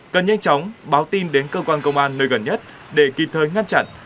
cần nhanh chóng báo tin đến cơ quan công an nơi gần nhất để kịp thời ngăn chặn